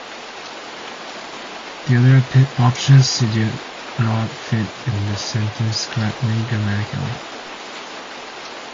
The other options do not fit in the sentence correctly grammatically.